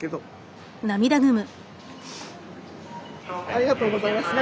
ありがとうございます。